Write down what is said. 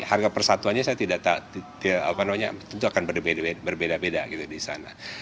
harga persatuannya saya tidak tentu akan berbeda beda gitu di sana